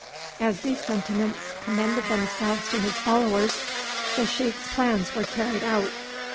As these sentiments commended themselves to his followers the sheik's plans were carried out.